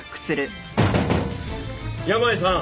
山家さん！